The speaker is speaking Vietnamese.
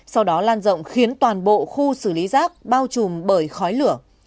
sau đó lan rộng khiến toàn bộ khu xử lý rác bao trùm bởi khói lửa